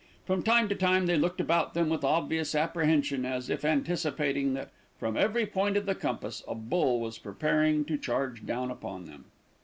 From time to time they looked about them with obvious apprehension, as if anticipating that from every point of the compass a bull was preparing to charge down upon them.